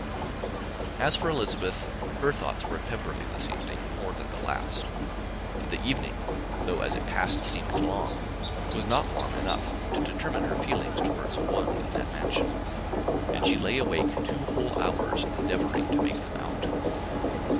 As for Elizabeth, her thoughts were at Pemberley this evening more than the last; and the evening, though as it passed it seemed long, was not long enough to determine her feelings towards one in that mansion; and she lay awake two whole hours, endeavouring to make them out.